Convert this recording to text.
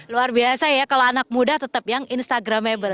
luar biasa ya kalau anak muda tetap yang instagramable